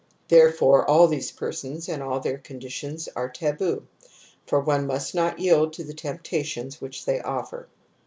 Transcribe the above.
Therefore(j.ll these persons and all these conditions are taboo, for one must not yield to the temptations which they offer.